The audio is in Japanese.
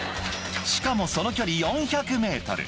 しかもその距離４００メートル。